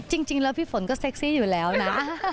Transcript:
จริงแล้วพี่ฝนก็เซ็กซี่อยู่แล้วนะ